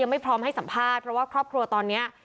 ไม่พร้อมให้สัมภาษณ์เพราะว่าครอบครัวตอนนี้